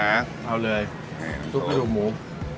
เอาเลยซุปกระดูกหมู